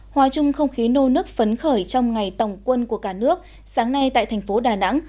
hòa chung không khí nô nức phấn khởi trong ngày tổng quân của cả nước sáng nay tại thành phố đà nẵng